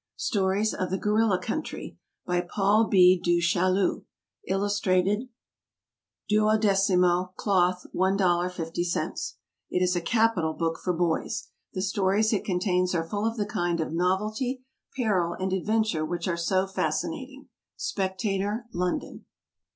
Stories of the Gorilla Country. By PAUL B. DU CHAILLU. Illustrated. 12mo, Cloth, $1.50. It is a capital book for boys. The stories it contains are full of the kind of novelty, peril, and adventure which are so fascinating. Spectator, London.